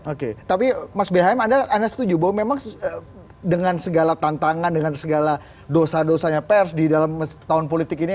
oke tapi mas bhm anda setuju bahwa memang dengan segala tantangan dengan segala dosa dosanya pers di dalam tahun politik ini